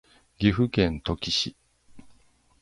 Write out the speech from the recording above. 岐阜県土岐市